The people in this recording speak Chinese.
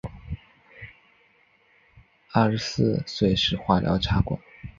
二十四岁时化疗插管